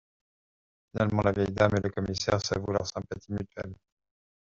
Finalement, la vieille dame et le commissaire s'avouent leur sympathie mutuelle.